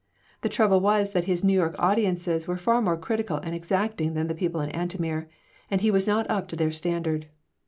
The trouble was that his New York audiences were far more critical and exacting than the people in Antomir, and he was not up to their standard.